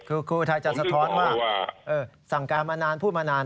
คือครูไทยจะสะท้อนว่าสั่งการมานานพูดมานาน